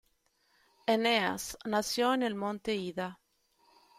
Eneas nació en el monte Ida.